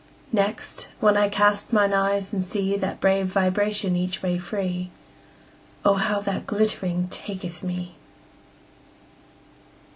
Next, when I cast mine eyes and see That brave vibration each way free, 5 —O how that glittering taketh me!